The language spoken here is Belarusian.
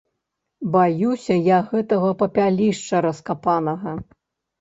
Баюся я гэтага папялішча раскапанага.